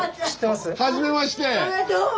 どうも。